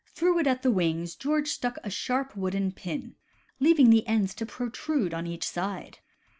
Through it at the wings George stuck a sharp wooden pin, leaving the ends to protrude on each side.